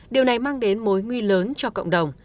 điều này mang đến mối nguy lớn cho cộng đồng